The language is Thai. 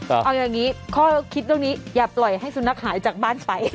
เอาอย่างนี้ข้อคิดเรื่องนี้อย่าปล่อยให้สุนัขหายจากบ้านไป